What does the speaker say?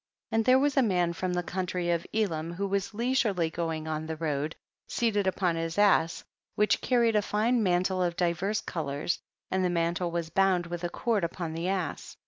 18. And there was a man from the country of Elam who was leisurely going on the road, seated upon his ass, wdiich carried a fine mantle of divers colors, and the mantle was bound with a cord upon the ass.